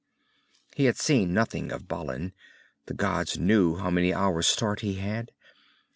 He had seen nothing of Balin. The gods knew how many hours' start he had.